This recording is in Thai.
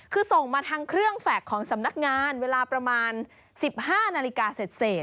คือส่งมาทางเครื่องแฟคของสำนักงานเวลาประมาณ๑๕นาฬิกาเสร็จ